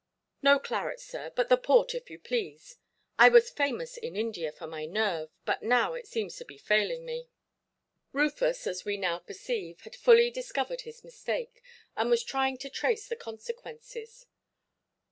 No claret, sir, but the port, if you please. I was famous, in India, for my nerve; but now it seems to be failing me". Rufus, as we now perceive, had fully discovered his mistake, and was trying to trace the consequences.